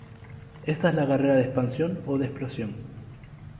Esta es la carrera de expansión o de explosión.